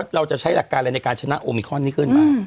เราจะใช้หลักการอะไรในการชนะโอมิคอนนี้ขึ้นมา